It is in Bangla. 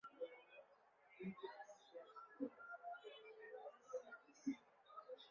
এ ছাড়া কার্যনির্বাহী কমিটিতে ছিলেন ডেপুটি রেজিস্ট্রার আবদুল লতিফ, দূরবীণ-এর সম্পাদক আবদুর রউফ ও অন্যান্য শিক্ষিত ব্যক্তি।